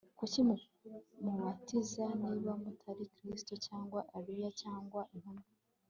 Kuki mubatiza niba mutari Kristo cyangwa Eliya cyangwa Intumwa